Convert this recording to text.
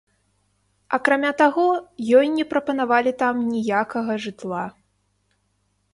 Акрамя таго, ёй не прапанавалі там ніякага жытла.